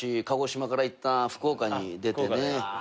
鹿児島からいったん福岡に出てね。